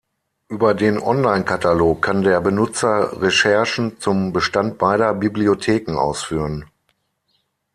Über den Onlinekatalog kann der Benutzer Recherchen zum Bestand beider Bibliotheken ausführen.